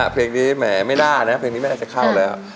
เพลงนี้แม่ไม่น่าไม่เห็นว่าจะเข้าแล้ว